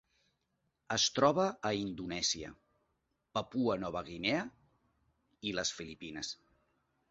Es troba a Indonèsia, Papua Nova Guinea i les Filipines.